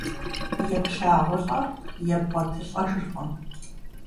ЕплъагъулӀэр ебгъуэтылӀэжыркъым.